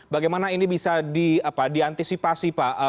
bagaimana ini bisa diantisipasi pak